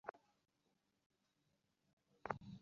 তিনি তাঁর জন্ম শিবিরে উদযাপিত হয় এবং সদকা বিতরণ করেন।